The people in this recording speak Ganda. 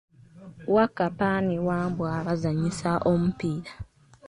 Wakkapa ne Wambwa bazanyisa omupiira.